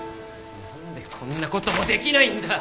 なんでこんな事もできないんだ！